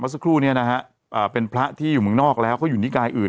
สักครู่เนี่ยนะฮะเป็นพระที่อยู่เมืองนอกแล้วเขาอยู่นิกายอื่น